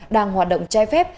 đang hoạt động trai phép